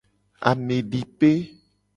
Amedipe.